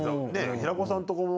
平子さんとこも。